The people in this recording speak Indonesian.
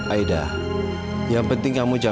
aida yang penting kamu jawab